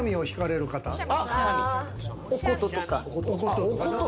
お琴とか。